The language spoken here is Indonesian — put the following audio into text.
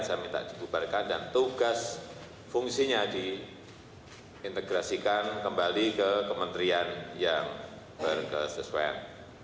saya minta dibubarkan dan tugas fungsinya diintegrasikan kembali ke kementerian yang berkesesuaian